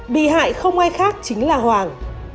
bị hại không ai khác chính là hoàng